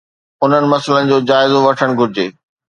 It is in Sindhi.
انهن مسئلن جو جائزو وٺڻ گهرجي